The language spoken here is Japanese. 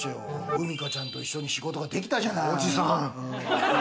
海荷ちゃんと一緒に仕事ができたじゃない！